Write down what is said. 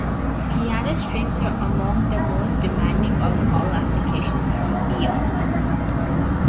Piano strings are among the most demanding of all applications of steel.